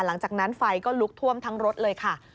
หลังจากนั้นไฟก็ลุกท่วมทั้งรถเลยค่ะ